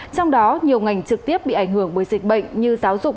trong đó nhiều ngành trực tiếp bị ảnh hưởng bởi dịch bệnh như giáo dục